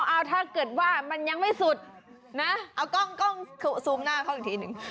เอาถ้าเกิดว่ามันยังไม่สุดนะเอากล้องซูมหน้าเขาอีกทีหนึ่ง